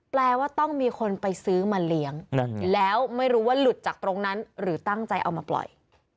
แปลว่าต้องมีคนไปซื้อมาเลี้ยงแล้วไม่รู้ว่าหลุดจากตรงนั้นหรือตั้งใจเอามาปล่อย